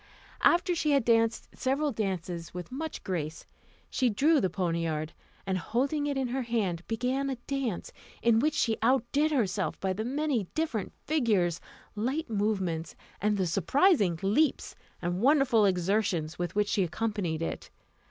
After she had danced several dances with much grace, she drew the poniard, and holding it in her hand, began a dance, in which she outdid herself by the many different figures, light movements, and the surprising leaps and wonderful exertions with which she accompanied it.